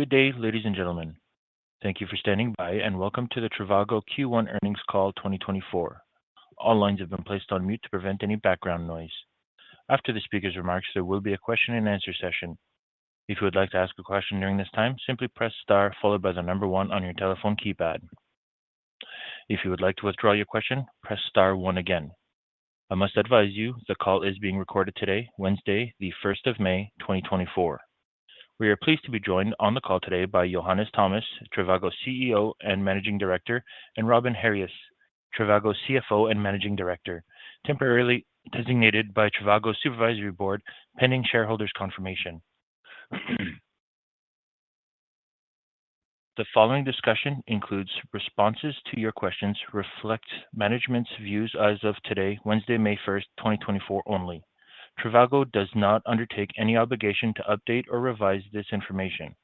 Good day, ladies and gentlemen. Thank you for standing by, and welcome to the Trivago Q1 Earnings Call 2024. All lines have been placed on mute to prevent any background noise. After the speaker's remarks, there will be a question-and-answer session. If you would like to ask a question during this time, simply press star followed by the number one on your telephone keypad. If you would like to withdraw your question, press star one again. I must advise you, the call is being recorded today, Wednesday, the first of May, 2024. We are pleased to be joined on the call today by Johannes Thomas, Trivago's CEO and Managing Director, and Robin Harries, Trivago's CFO and Managing Director, temporarily designated by Trivago's supervisory board, pending shareholders' confirmation. The following discussion includes responses to your questions, reflect management's views as of today, Wednesday, May 1, 2024, only. Trivago does not undertake any obligation to update or revise this information.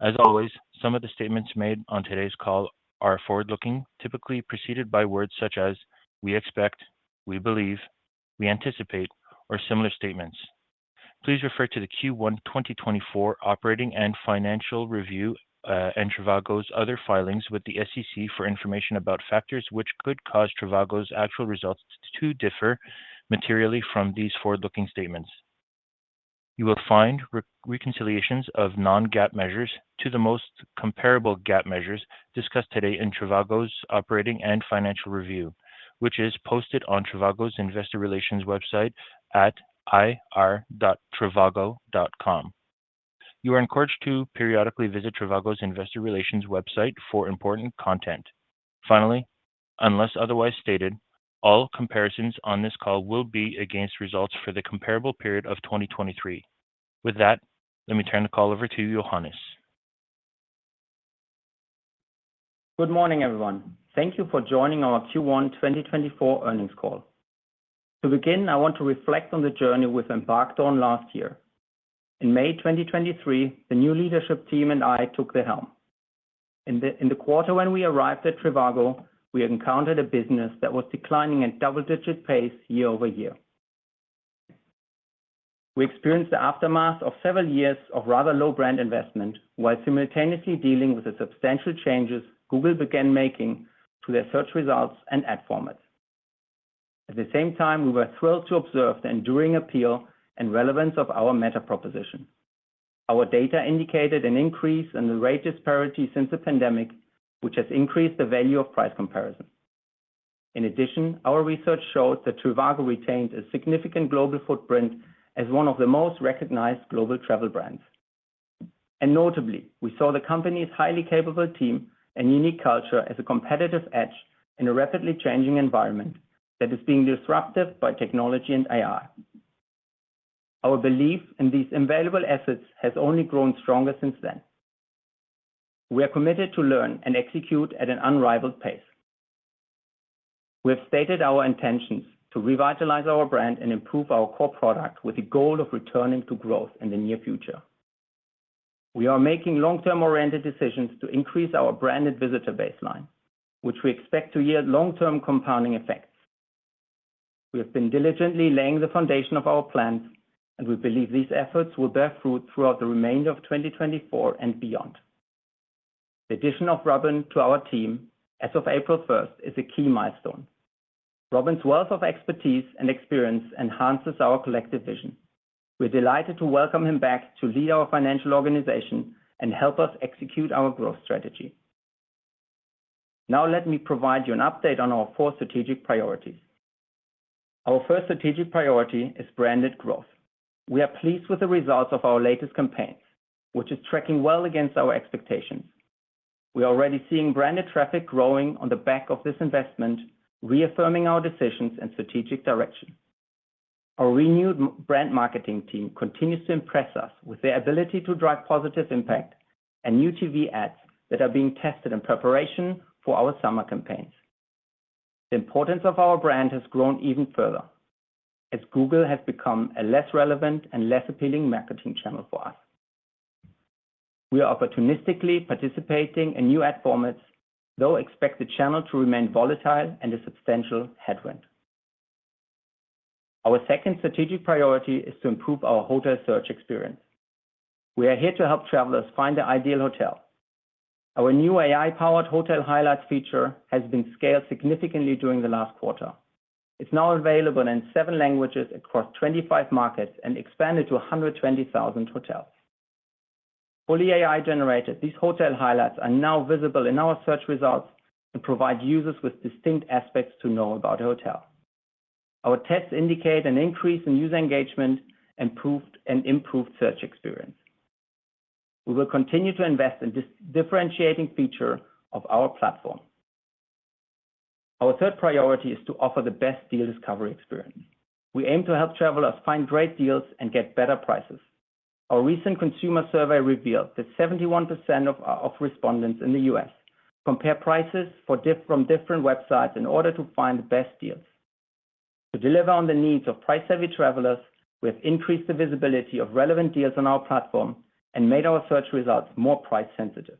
As always, some of the statements made on today's call are forward-looking, typically preceded by words such as "we expect," "we believe," "we anticipate," or similar statements. Please refer to the Q1 2024 operating and financial review, and Trivago's other filings with the SEC for information about factors which could cause Trivago's actual results to differ materially from these forward-looking statements. You will find reconciliations of non-GAAP measures to the most comparable GAAP measures discussed today in Trivago's operating and financial review, which is posted on Trivago's investor relations website at ir.trivago.com. You are encouraged to periodically visit Trivago's investor relations website for important content. Finally, unless otherwise stated, all comparisons on this call will be against results for the comparable period of 2023. With that, let me turn the call over to Johannes. Good morning, everyone. Thank you for joining our Q1 2024 Earnings Call. To begin, I want to reflect on the journey we've embarked on last year. In May 2023, the new leadership team and I took the helm. In the quarter when we arrived at Trivago, we encountered a business that was declining at double-digit pace year over year. We experienced the aftermath of several years of rather low brand investment, while simultaneously dealing with the substantial changes Google began making to their search results and ad formats. At the same time, we were thrilled to observe the enduring appeal and relevance of our meta proposition. Our data indicated an increase in the rate disparity since the pandemic, which has increased the value of price comparison. In addition, our research showed that Trivago retained a significant global footprint as one of the most recognized global travel brands. Notably, we saw the company's highly capable team and unique culture as a competitive edge in a rapidly changing environment that is being disrupted by technology and AI. Our belief in these invaluable assets has only grown stronger since then. We are committed to learn and execute at an unrivaled pace. We have stated our intentions to revitalize our brand and improve our core product with the goal of returning to growth in the near future. We are making long-term-oriented decisions to increase our branded visitor baseline, which we expect to yield long-term compounding effects. We have been diligently laying the foundation of our plans, and we believe these efforts will bear fruit throughout the remainder of 2024 and beyond. The addition of Robin to our team as of April first is a key milestone. Robin's wealth of expertise and experience enhances our collective vision. We're delighted to welcome him back to lead our financial organization and help us execute our growth strategy. Now, let me provide you an update on our four strategic priorities. Our first strategic priority is branded growth. We are pleased with the results of our latest campaigns, which is tracking well against our expectations. We are already seeing branded traffic growing on the back of this investment, reaffirming our decisions and strategic direction. Our renewed brand marketing team continues to impress us with their ability to drive positive impact and new TV ads that are being tested in preparation for our summer campaigns. The importance of our brand has grown even further, as Google has become a less relevant and less appealing marketing channel for us. We are opportunistically participating in new ad formats, though expect the channel to remain volatile and a substantial headwind. Our second strategic priority is to improve our hotel search experience. We are here to help travelers find their ideal hotel. Our new AI-powered Hotel Highlights feature has been scaled significantly during the last quarter. It's now available in 7 languages across 25 markets and expanded to 120,000 hotels. Fully AI-generated, these Hotel Highlights are now visible in our search results and provide users with distinct aspects to know about a hotel. Our tests indicate an increase in user engagement, improved search experience. We will continue to invest in this differentiating feature of our platform. Our third priority is to offer the best deal discovery experience. We aim to help travelers find great deals and get better prices. Our recent consumer survey revealed that 71% of respondents in the US compare prices from different websites in order to find the best deals. To deliver on the needs of price-savvy travelers, we have increased the visibility of relevant deals on our platform and made our search results more price sensitive.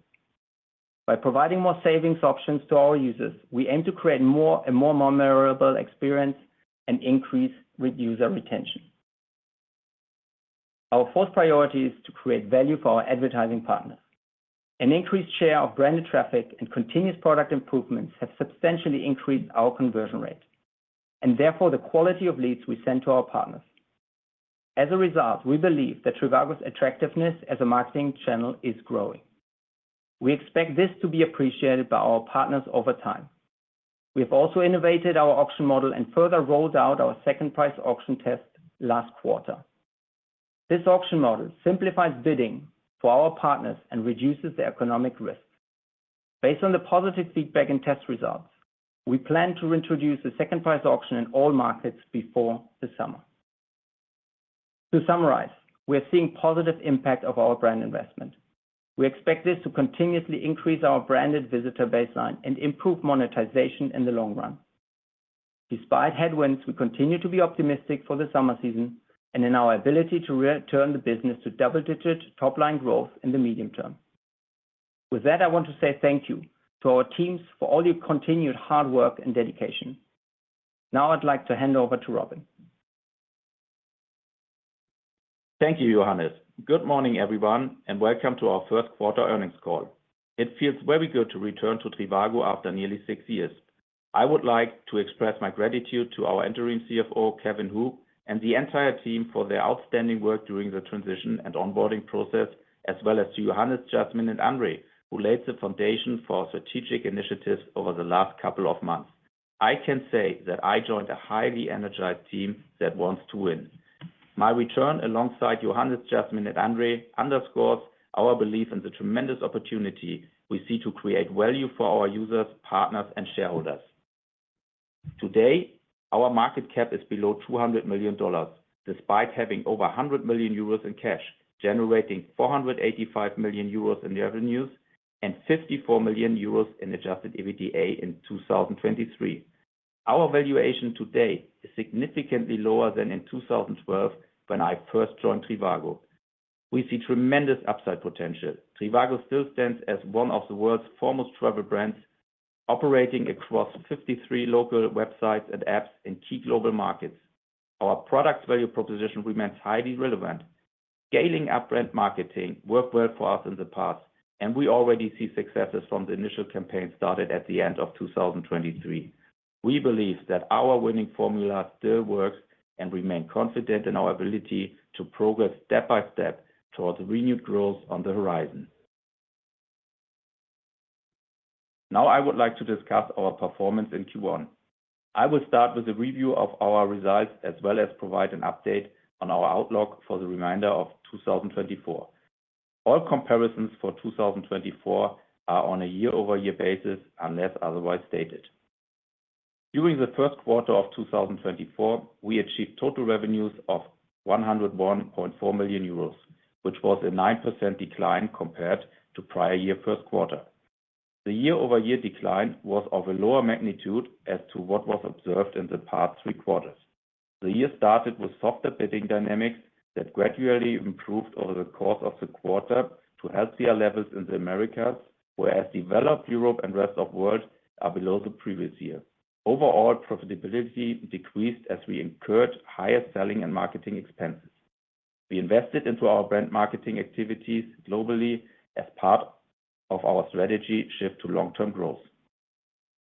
By providing more savings options to our users, we aim to create a more memorable experience and increase user retention. Our first priority is to create value for our advertising partners. An increased share of branded traffic and continuous product improvements have substantially increased our conversion rate, and therefore the quality of leads we send to our partners. As a result, we believe that Trivago's attractiveness as a marketing channel is growing. We expect this to be appreciated by our partners over time. We have also innovated our auction model and further rolled out our second price auction test last quarter. This auction model simplifies bidding for our partners and reduces the economic risk. Based on the positive feedback and test results, we plan to introduce the second price auction in all markets before the summer. To summarize, we are seeing positive impact of our brand investment. We expect this to continuously increase our branded visitor baseline and improve monetization in the long run. Despite headwinds, we continue to be optimistic for the summer season and in our ability to return the business to double-digit top-line growth in the medium term. With that, I want to say thank you to our teams for all your continued hard work and dedication. Now I'd like to hand over to Robin. Thank you, Johannes. Good morning, everyone, and welcome to our first quarter earnings call. It feels very good to return to Trivago after nearly six years. I would like to express my gratitude to our Interim CFO, Kevin Hu, and the entire team for their outstanding work during the transition and onboarding process, as well as to Johannes, Jasmin, and Andre, who laid the foundation for strategic initiatives over the last couple of months. I can say that I joined a highly energized team that wants to win. My return alongside Johannes, Jasmin, and Andre underscores our belief in the tremendous opportunity we see to create value for our users, partners, and shareholders. Today, our market cap is below $200 million, despite having over 100 million euros in cash, generating 485 million euros in revenues and 54 million euros in adjusted EBITDA in 2023. Our valuation today is significantly lower than in 2012, when I first joined Trivago. We see tremendous upside potential. Trivago still stands as one of the world's foremost travel brands, operating across 53 local websites and apps in key global markets. Our product value proposition remains highly relevant. Scaling up brand marketing worked well for us in the past, and we already see successes from the initial campaign started at the end of 2023. We believe that our winning formula still works and remain confident in our ability to progress step by step towards renewed growth on the horizon. Now, I would like to discuss our performance in Q1. I will start with a review of our results, as well as provide an update on our outlook for the remainder of 2024. All comparisons for 2024 are on a year-over-year basis, unless otherwise stated. During the first quarter of 2024, we achieved total revenues of 101.4 million euros, which was a 9% decline compared to prior year first quarter. The year-over-year decline was of a lower magnitude as to what was observed in the past three quarters. The year started with softer bidding dynamics that gradually improved over the course of the quarter to healthier levels in the Americas, whereas Developed Europe and Rest of World are below the previous year. Overall, profitability decreased as we incurred higher selling and marketing expenses. We invested into our brand marketing activities globally as part of our strategy shift to long-term growth.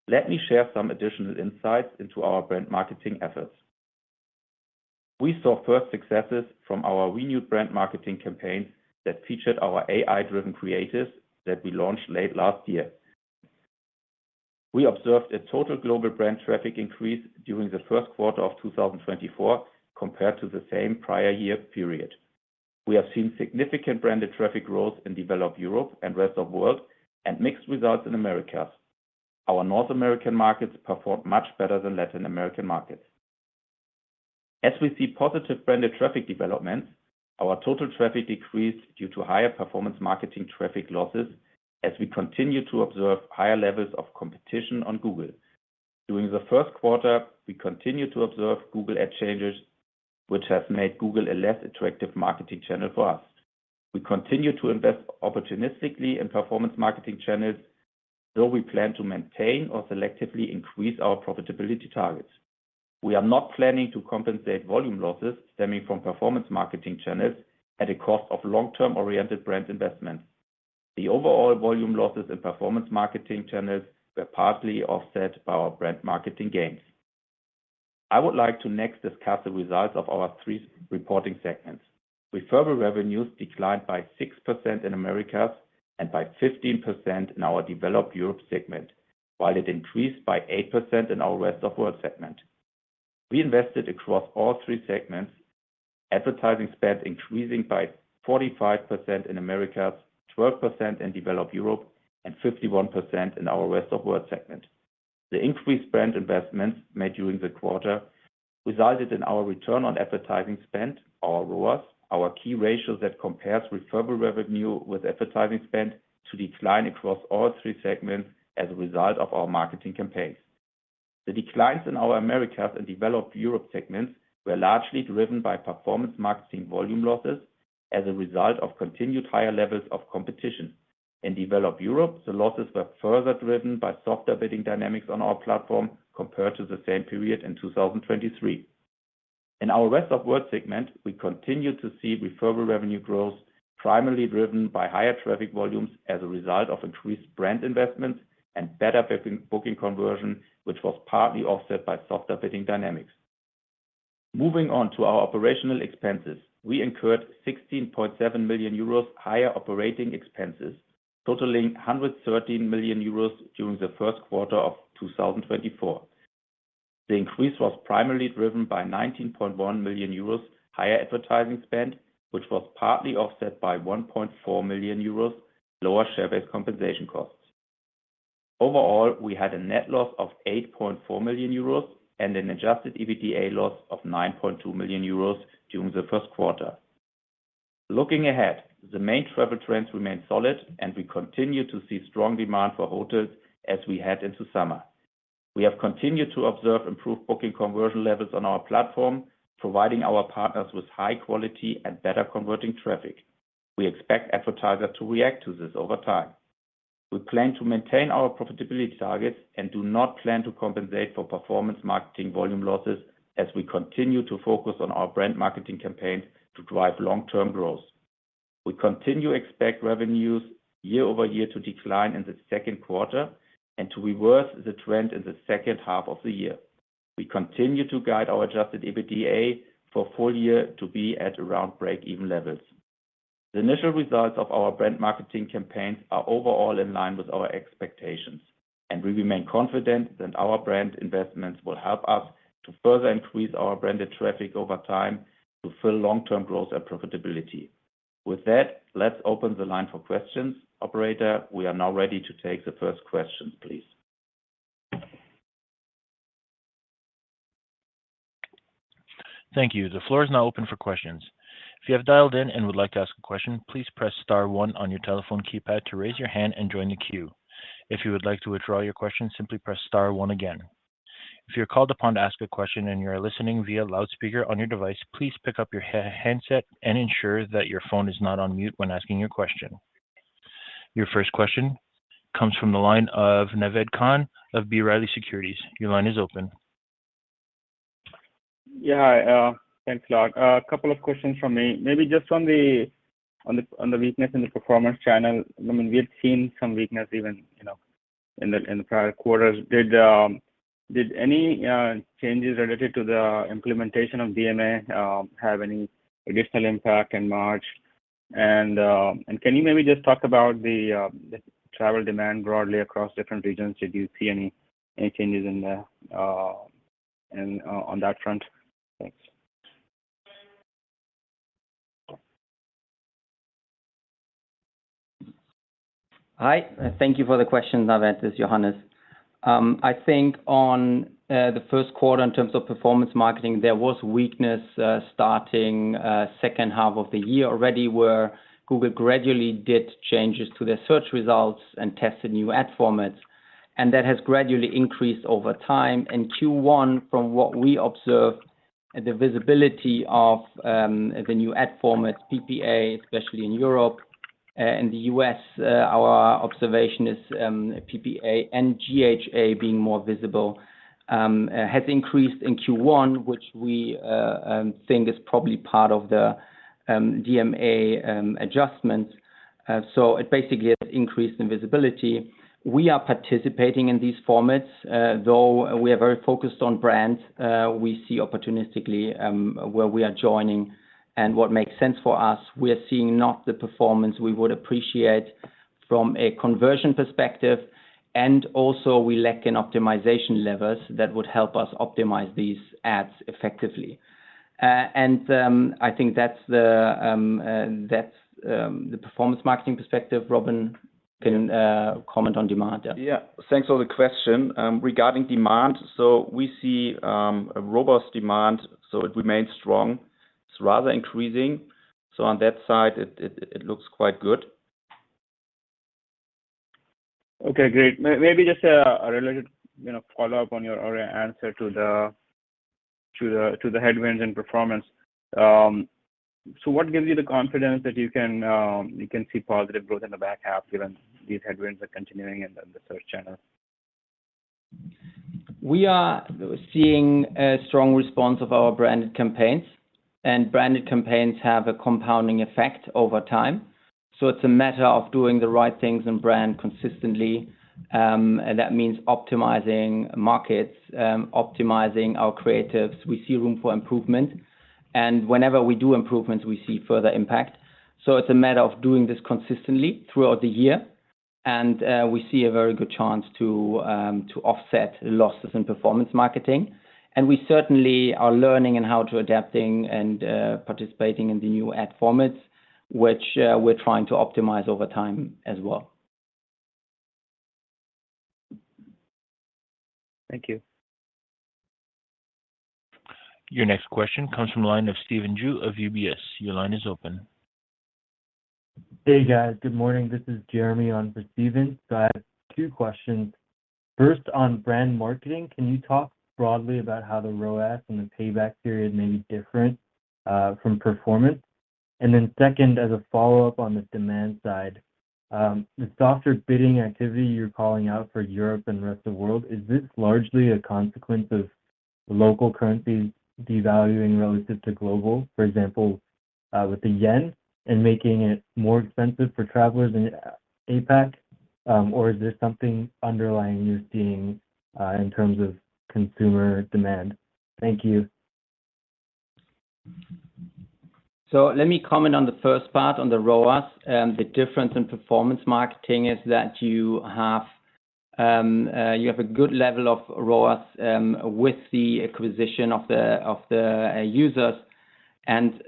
Let me share some additional insights into our brand marketing efforts. We saw first successes from our renewed brand marketing campaign that featured our AI-driven creatives that we launched late last year. We observed a total global brand traffic increase during the first quarter of 2024 compared to the same prior year period. We have seen significant branded traffic growth in Developed Europe and Rest of World, and mixed results in Americas. Our North American markets performed much better than Latin American markets. As we see positive branded traffic developments, our total traffic decreased due to higher performance marketing traffic losses as we continue to observe higher levels of competition on Google. During the first quarter, we continued to observe Google ad changes, which has made Google a less attractive marketing channel for us. We continue to invest opportunistically in performance marketing channels, though we plan to maintain or selectively increase our profitability targets. We are not planning to compensate volume losses stemming from performance marketing channels at a cost of long-term-oriented brand investments. The overall volume losses in performance marketing channels were partly offset by our brand marketing gains. I would like to next discuss the results of our three reporting segments. Referral revenues declined by 6% in Americas and by 15% in our Developed Europe segment, while it increased by 8% in our Rest of World segment. We invested across all three segments, advertising spend increasing by 45% in Americas, 12% in Developed Europe, and 51% in our Rest of World segment. The increased brand investments made during the quarter resulted in our return on advertising spend, or ROAS, our key ratio that compares referral revenue with advertising spend, to decline across all three segments as a result of our marketing campaigns. The declines in our Americas and Developed Europe segments were largely driven by performance marketing volume losses as a result of continued higher levels of competition. In Developed Europe, the losses were further driven by softer bidding dynamics on our platform compared to the same period in 2023. In our Rest of World segment, we continued to see referral revenue growth, primarily driven by higher traffic volumes as a result of increased brand investments and better booking, booking conversion, which was partly offset by softer bidding dynamics. Moving on to our operational expenses. We incurred 16.7 million euros higher operating expenses, totaling 113 million euros during the first quarter of 2024. The increase was primarily driven by 19.1 million euros higher advertising spend, which was partly offset by 1.4 million euros lower share-based compensation costs. Overall, we had a net loss of 8.4 million euros and an adjusted EBITDA loss of 9.2 million euros during the first quarter. Looking ahead, the main travel trends remain solid, and we continue to see strong demand for hotels as we head into summer. We have continued to observe improved booking conversion levels on our platform, providing our partners with high quality and better converting traffic. We expect advertisers to react to this over time. We plan to maintain our profitability targets and do not plan to compensate for performance marketing volume losses as we continue to focus on our brand marketing campaigns to drive long-term growth. We continue to expect revenues year-over-year to decline in the second quarter and to reverse the trend in the second half of the year. We continue to guide our adjusted EBITDA for full year to be at around break-even levels. The initial results of our brand marketing campaigns are overall in line with our expectations, and we remain confident that our brand investments will help us to further increase our branded traffic over time to fulfill long-term growth and profitability. With that, let's open the line for questions. Operator, we are now ready to take the first question, please. Thank you. The floor is now open for questions. If you have dialed in and would like to ask a question, please press star one on your telephone keypad to raise your hand and join the queue. If you would like to withdraw your question, simply press star one again. If you're called upon to ask a question and you're listening via loudspeaker on your device, please pick up your handset and ensure that your phone is not on mute when asking your question. Your first question comes from the line of Naved Khan of B. Riley Securities. Your line is open. Hi, thanks a lot. A couple of questions from me. Maybe just on the weakness in the performance channel. I mean, we had seen some weakness even, in the prior quarters. Did any changes related to the implementation of DMA have any additional impact in March? And can you maybe just talk about the travel demand broadly across different regions? Did you see any changes on that front? Thanks. Hi, thank you for the question, Naved. This is Johannes. I think on the first quarter in terms of performance marketing, there was weakness starting second half of the year already, where Google gradually did changes to their search results and tested new ad formats, and that has gradually increased over time. In Q1, from what we observed, the visibility of the new ad formats, PPA, especially in Europe, in the US, our observation is PPA and GHA being more visible has increased in Q1, which we think is probably part of the DMA adjustments. So it basically increased the visibility. We are participating in these formats. Though we are very focused on brands, we see opportunistically, where we are joining and what makes sense for us. We are seeing not the performance we would appreciate from a conversion perspective, and also we lack in optimization levels that would help us optimize these ads effectively. I think that's the performance marketing perspective. Robin can comment on demand there. Yeah. Thanks for the question. Regarding demand, so we see a robust demand, so it remains strong. It's rather increasing. So on that side, it looks quite good. Okay, great. Maybe just a related follow-up on your earlier answer to the headwinds and performance. So what gives you the confidence that you can see positive growth in the back half, given these headwinds are continuing in the search channel? We are seeing a strong response of our branded campaigns, and branded campaigns have a compounding effect over time. So it's a matter of doing the right things in brand consistently, and that means optimizing markets, optimizing our creatives. We see room for improvement, and whenever we do improvements, we see further impact. So it's a matter of doing this consistently throughout the year, and we see a very good chance to offset losses in performance marketing. And we certainly are learning in how to adapting and participating in the new ad formats, which we're trying to optimize over time as well. Thank you. Your next question comes from the line of Stephen Ju of UBS. Your line is open. Hey, guys. Good morning. This is Jerry on for Stephen. So I have two questions. First, on brand marketing, can you talk broadly about how the ROAS and the payback period may be different from performance? And then second, as a follow-up on the demand side, the softer bidding activity you're calling out for Europe and the rest of the world, is this largely a consequence of local currencies devaluing relative to global, for example, with the yen and making it more expensive for travelers in APAC? Or is there something underlying you're seeing in terms of consumer demand? Thank you. So let me comment on the first part, on the ROAS. The difference in performance marketing is that you have a good level of ROAS with the acquisition of the users. And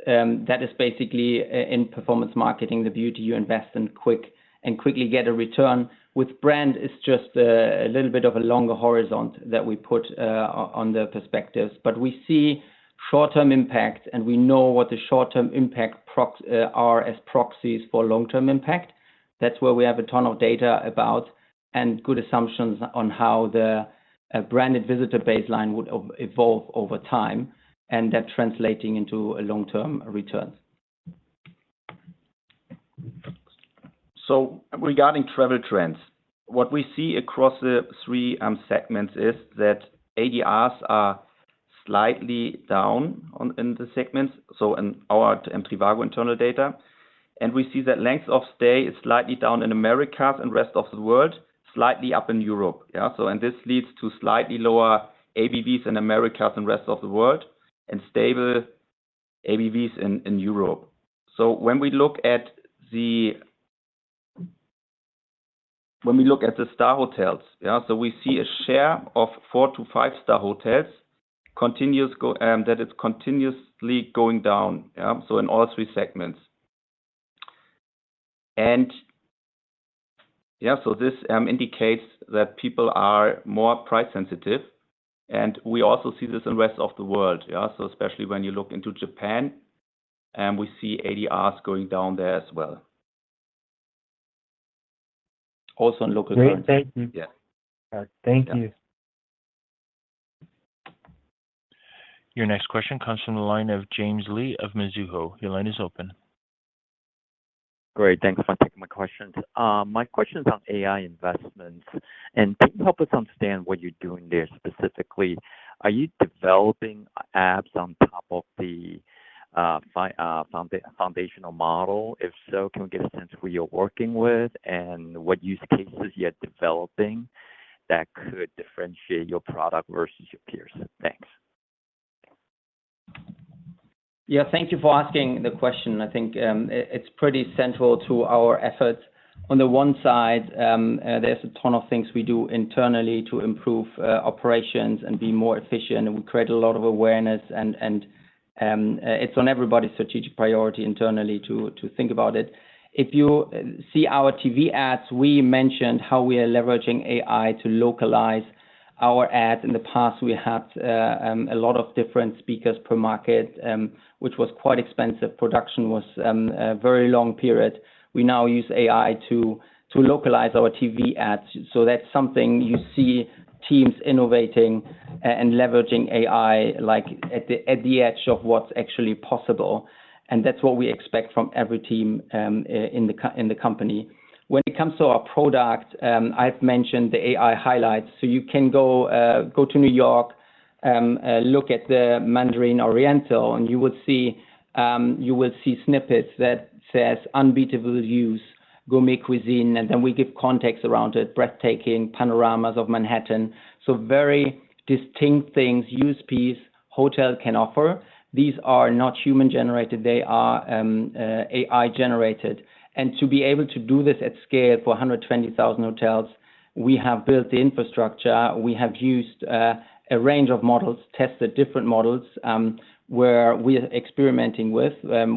that is basically in performance marketing, the beauty you invest in quick and quickly get a return. With brand, it's just a little bit of a longer horizon that we put on the perspectives. But we see short-term impact, and we know what the short-term impact proxies are as proxies for long-term impact. That's where we have a ton of data about, and good assumptions on how the branded visitor baseline would evolve over time, and that translating into a long-term return. So regarding travel trends, what we see across the three segments is that ADRs are slightly down in the segments, so in our and Trivago internal data, and we see that length of stay is slightly down in Americas and Rest of World, slightly up in Europe. And this leads to slightly lower ABVs in Americas and Rest of World, and stable ABVs in Europe. When we look at the star hotels, we see a share of four- to five-star hotels continues go, that is continuously going down, so in all three segments. And this indicates that people are more price sensitive, and we also see this in Rest of World. So especially when you look into Japan, and we see ADRs going down there as well. Also in local currency. Great. Thank you. Your next question comes from the line of James Lee of Mizuho. Your line is open. Great, thanks for taking my questions. My question is on AI investments, and can you help us understand what you're doing there specifically? Are you developing apps on top of the foundational model? If so, can we get a sense of who you're working with and what use cases you're developing that could differentiate your product versus your peers? Thanks. Yeah, thank you for asking the question. I think, it's pretty central to our efforts. On the one side, there's a ton of things we do internally to improve operations and be more efficient, and we create a lot of awareness and, it's on everybody's strategic priority internally to think about it. If you see our TV ads, we mentioned how we are leveraging AI to localize our ads. In the past, we had a lot of different speakers per market, which was quite expensive. Production was a very long period. We now use AI to localize our TV ads. So that's something you see teams innovating and leveraging AI, like, at the edge of what's actually possible, and that's what we expect from every team, in the company. When it comes to our product, I've mentioned the AI highlights. So you can go to New York, look at the Mandarin Oriental, and you will see snippets that says, "Unbeatable views, gourmet cuisine," and then we give context around it, "Breathtaking panoramas of Manhattan." So very distinct things, USPs hotel can offer. These are not human-generated, they are AI-generated. And to be able to do this at scale for 120,000 hotels, we have built the infrastructure. We have used a range of models, tested different models, where we are experimenting with.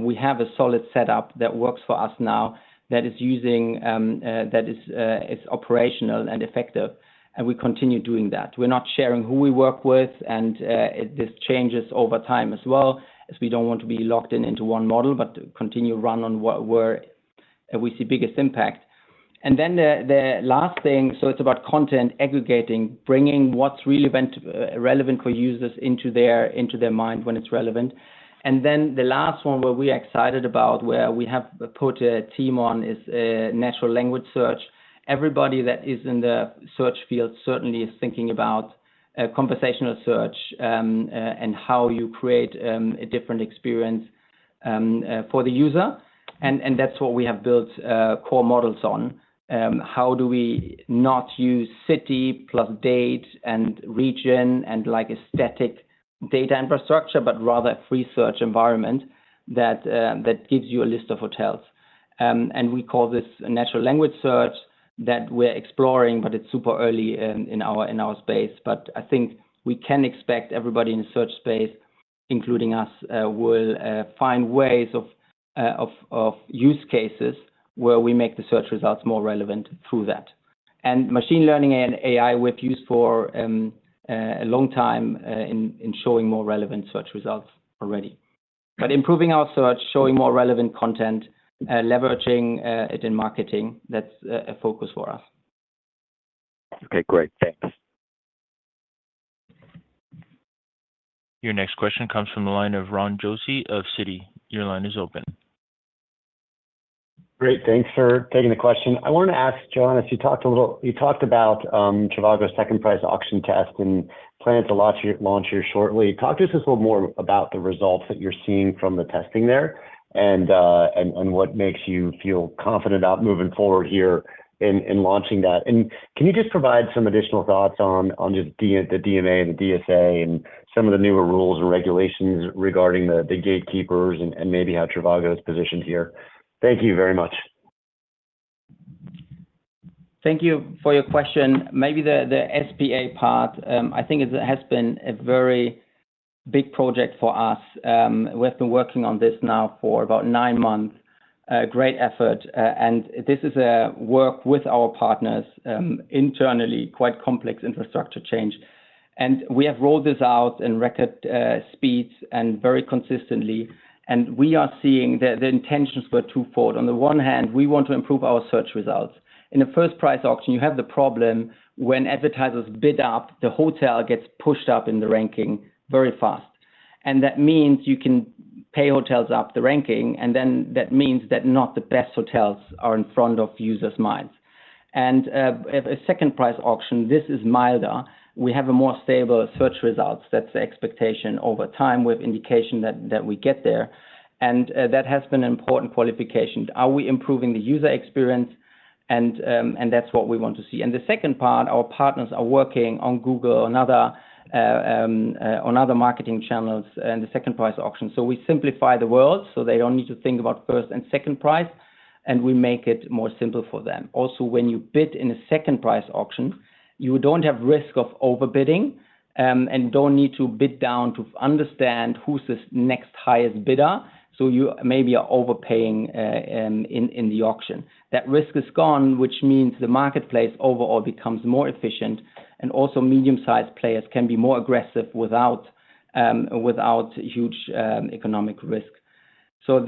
We have a solid setup that works for us now, that is using, that is operational and effective, and we continue doing that. We're not sharing who we work with, and this changes over time as well, as we don't want to be locked in into one model, but continue run on where we see biggest impact. And then the last thing, so it's about content aggregating, bringing what's relevant for users into their mind when it's relevant. And then the last one, where we're excited about, where we have put a team on, is natural language search. Everybody that is in the search field certainly is thinking about conversational search, and how you create a different experience for the user. And that's what we have built core models on. How do we not use city plus date and region and, like, a static data infrastructure, but rather a free search environment that gives you a list of hotels? We call this a natural language search that we're exploring, but it's super early in our space. But I think we can expect everybody in the search space, including us, will find ways of use cases where we make the search results more relevant through that and machine learning and AI we've used for a long time in showing more relevant search results already. But improving our search, showing more relevant content, leveraging it in marketing, that's a focus for us. Okay, great. Thanks. Your next question comes from the line of Ron Josey of Citi. Your line is open. Great. Thanks for taking the question. I wanted to ask John, if you talked about Trivago's second price auction test, and plan to launch it, launch here shortly. Talk to us a little more about the results that you're seeing from the testing there, and, and, and what makes you feel confident about moving forward here in launching that? And can you just provide some additional thoughts o the DMA and the DSA and some of the newer rules and regulations regarding the, the gatekeepers and, and maybe how Trivago is positioned here? Thank you very much. Thank you for your question. Maybe the SPA part, I think it has been a very big project for us. We have been working on this now for about nine months, a great effort. And this is a work with our partners, internally, quite complex infrastructure change, and we have rolled this out in record speeds and very consistently, and we are seeing the intentions were twofold. On the one hand, we want to improve our search results. In a first price auction, you have the problem when advertisers bid up, the hotel gets pushed up in the ranking very fast, and that means you can pay hotels up the ranking, and then that means that not the best hotels are in front of users' minds. And a second price auction, this is milder. We have a more stable search results. That's the expectation over time with indication that we get there, and that has been an important qualification. Are we improving the user experience? And that's what we want to see. And the second part, our partners are working on Google and other marketing channels and the second price auction. So we simplify the world, so they don't need to think about first and second price, and we make it more simple for them. Also, when you bid in a second price auction, you don't have risk of overbidding, and don't need to bid down to understand who's this next highest bidder, so you maybe are overpaying in the auction. That risk is gone, which means the marketplace overall becomes more efficient, and also medium-sized players can be more aggressive without huge economic risk. On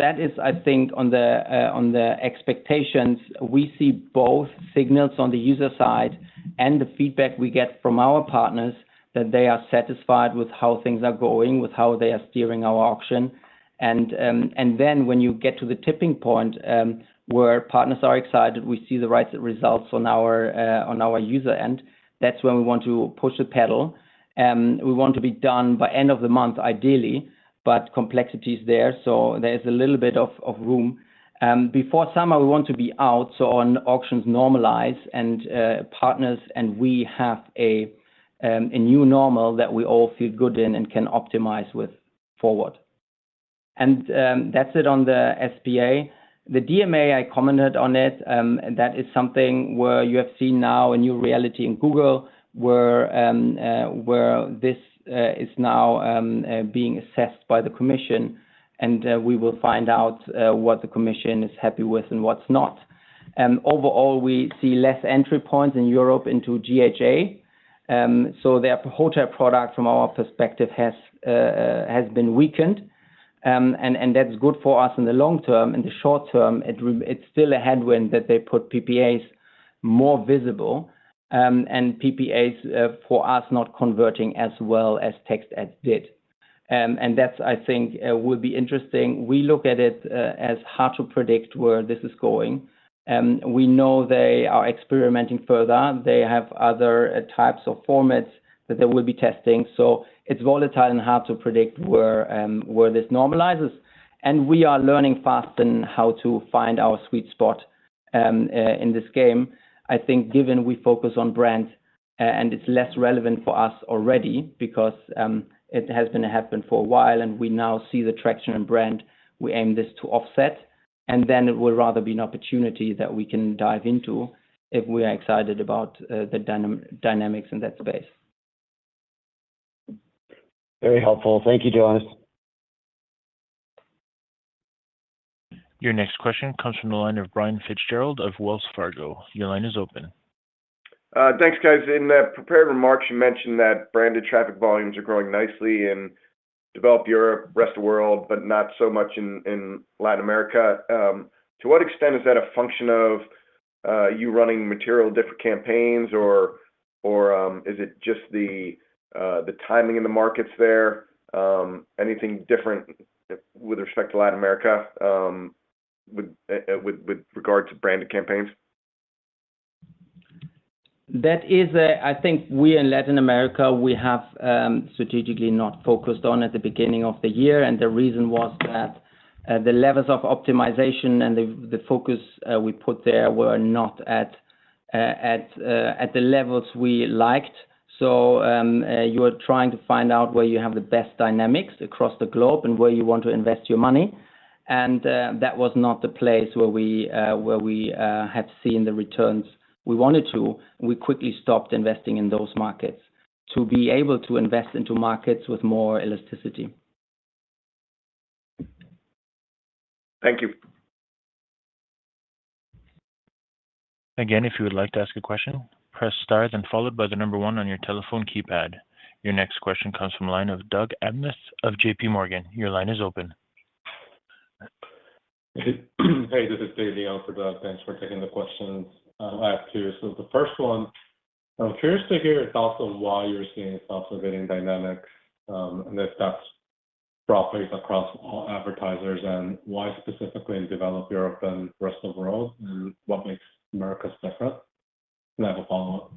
the expectations. We see both signals on the user side and the feedback we get from our partners that they are satisfied with how things are going, with how they are steering our auction. And then when you get to the tipping point where partners are excited, we see the right results on our user end, that's when we want to push the pedal. We want to be done by end of the month, ideally, but complexity is there, so there's a little bit of room. Before summer, we want to be out, so auctions normalize and partners and we have a new normal that we all feel good in and can optimize going forward. And that's it on the SPA. The DMA, I commented on it, that is something where you have seen now a new reality in Google, where this is now being assessed by the commission, and we will find out what the commission is happy with and what's not. Overall, we see less entry points in Europe into GHA. So their hotel product from our perspective has been weakened, and that's good for us in the long term. In the short term, it's still a headwind that they put PPAs more visible, and PPAs for us not converting as well as text ads did. And that's, I think, will be interesting. We look at it as hard to predict where this is going. We know they are experimenting further. They have other types of formats that they will be testing, so it's volatile and hard to predict where this normalizes, and we are learning fast in how to find our sweet spot in this game. I think, given we focus on brand, and it's less relevant for us already because it has been happening for a while, and we now see the traction and brand, we aim this to offset, and then it will rather be an opportunity that we can dive into if we are excited about the dynamics in that space. Very helpful. Thank you, John. Your next question comes from the line of Brian Fitzgerald of Wells Fargo. Your line is open. Thanks, guys. In the prepared remarks, you mentioned that branded traffic volumes are growing nicely in Developed Europe, Rest of World, but not so much in Latin America. To what extent is that a function of you running material, different campaigns, or is it just the timing in the markets there? Anything different with respect to Latin America, with regard to branded campaigns? That is, I think we in Latin America, we have strategically not focused on at the beginning of the year, and the reason was that, the levels of optimization and the focus we put there were not at the levels we liked. So, you are trying to find out where you have the best dynamics across the globe and where you want to invest your money, and that was not the place where we had seen the returns we wanted to. We quickly stopped investing in those markets to be able to invest into markets with more elasticity. Thank you. Again, if you would like to ask a question, press star then followed by the number one on your telephone keypad. Your next question comes from the line of Doug Anmuth of J.P. Morgan. Your line is open. Hey, this is Doug. Thanks for taking the questions. I have two. So the first one, I'm curious to hear your thoughts on why you're seeing softer bidding dynamics, and if that's broadly across all advertisers, and why specifically in Developed Europe and Rest of World, and what makes Americas different? And I have a follow-up.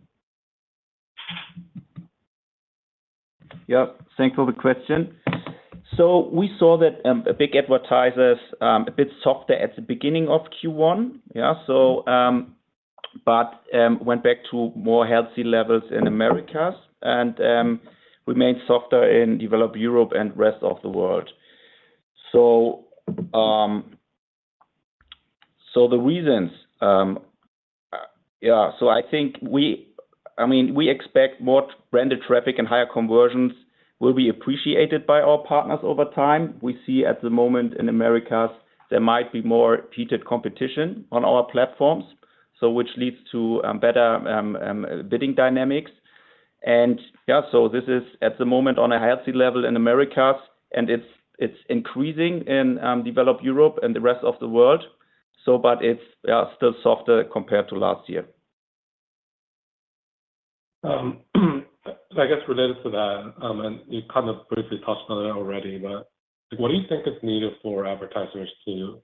Yep. Thanks for the question. So we saw that big advertisers a bit softer at the beginning of Q1. But went back to more healthy levels in Americas, and remained softer in Developed Europe and Rest of World. So the reasons we expect more branded traffic and higher conversions will be appreciated by our partners over time. We see at the moment in Americas, there might be more heated competition on our platforms, so which leads to better bidding dynamics. And, yeah, so this is, at the moment, on a healthy level in Americas, and it's increasing in Developed Europe and the Rest of World, so but it's still softer compared to last year. Related to that, and you kind of briefly touched on it already, but what do you think is needed for advertisers to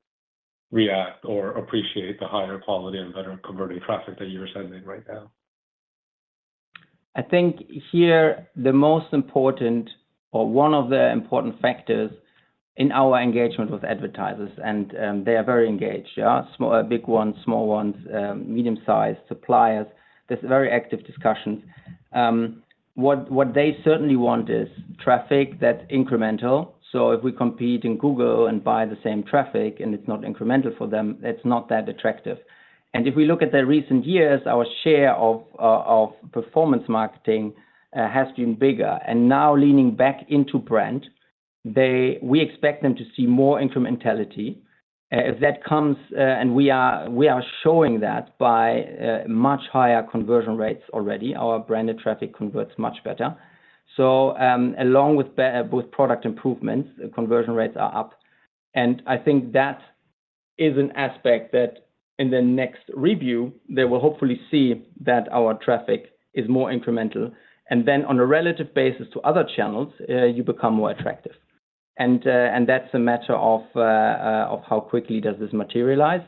react or appreciate the higher quality and better converting traffic that you're sending right now? I think here, the most important or one of the important factors in our engagement with advertisers, and they are very engaged, yeah, small, big ones, small ones, medium-sized suppliers. There's very active discussions. What they certainly want is traffic that's incremental. So if we compete in Google and buy the same traffic, and it's not incremental for them, it's not that attractive. And if we look at the recent years, our share of performance marketing has been bigger. And now leaning back into brand, we expect them to see more incrementality. If that comes, and we are showing that by much higher conversion rates already. Our branded traffic converts much better. So, along with product improvements, conversion rates are up, and I think that is an aspect that in the next review, they will hopefully see that our traffic is more incremental. And then on a relative basis to other channels, you become more attractive. And that's a matter of how quickly does this materialize.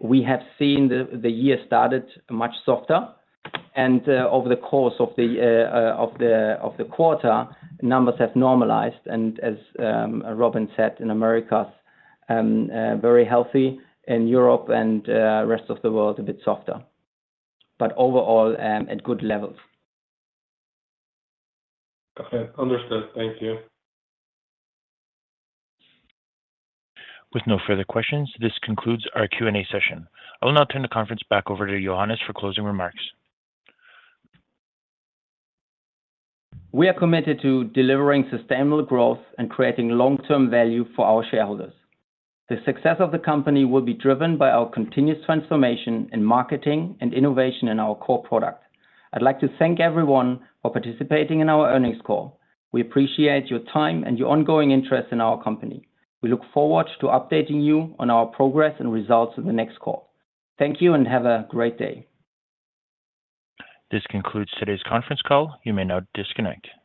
We have seen the year started much softer, and over the course of the quarter, numbers have normalized. And as Robin said, in Americas, very healthy. In Europe and rest of the world, a bit softer, but overall, at good levels. Okay, understood. Thank you. With no further questions, this concludes our Q&A session. I will now turn the conference back over to Johannes for closing remarks. We are committed to delivering sustainable growth and creating long-term value for our shareholders. The success of the company will be driven by our continuous transformation in marketing and innovation in our core product. I'd like to thank everyone for participating in our earnings call. We appreciate your time and your ongoing interest in our company. We look forward to updating you on our progress and results in the next call. Thank you, and have a great day. This concludes today's conference call. You may now disconnect.